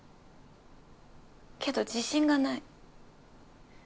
けど自信がない。